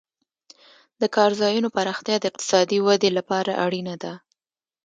د کار ځایونو پراختیا د اقتصادي ودې لپاره اړینه ده.